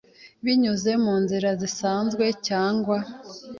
binyuze mu nzira zisanzwe cyangwa